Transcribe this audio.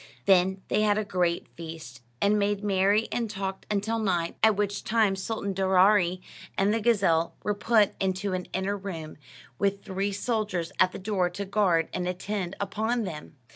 Then they had a great feast, and made merry and talked until night, at which time Sultan Daaraaee and the gazelle were put into an inner room, with three soldiers at the door to guard and attend upon them.